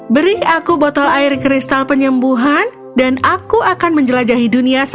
beri aku botol air kristal penyembuhan dan aku akan menjelajahi dunia